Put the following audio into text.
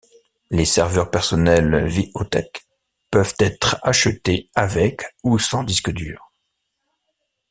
Les serveurs personnels Ve-hotech peuvent être achetés avec ou sans disques durs.